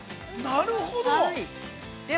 ◆なるほど。